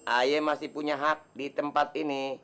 aye masih punya hak di tempat ini